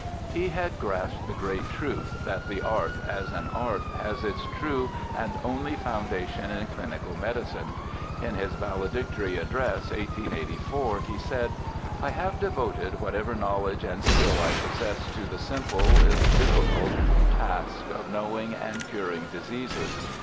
He had grasped the great truth that the art as an art has its true and only foundation in cHnical medicine. In his Valedictory Address, 1884, he said :' I have devoted whatever knowledge and skill I pos sessed to the simple, if difficult, task of knowing and curing diseases.